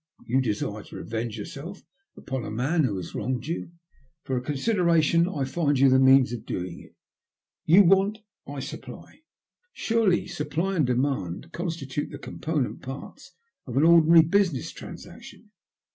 Tou desire to revenge yourself upon a man who has wronged you. For a consideration I find you the means of doing it. Tou want — ^I supply. Surely supply and demand constitute the component parts of an ordinary business transaction?"